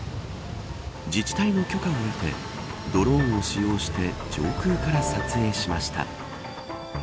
自治体の許可を得てドローンを使用して上空から撮影しました。